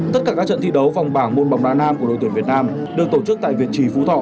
tất cả các trận thi đấu vòng bảng môn bóng đá nam của đội tuyển việt nam được tổ chức tại việt trì phú thọ